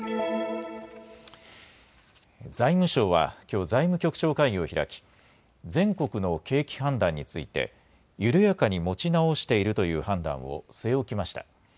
財務省はきょう、財務局長会議を開き全国の景気判断について緩やかに持ち直しているという判断を据え置きました。